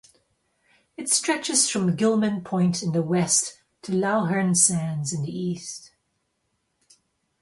It stretches from Gilman Point in the west to Laugharne Sands in the east.